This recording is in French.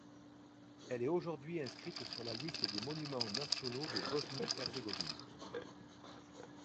Elle est aujourd'hui inscrite sur la liste des monuments nationaux de Bosnie-Herzégovine.